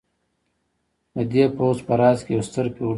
د دې پوځ په راس کې یو ستر فیوډال و.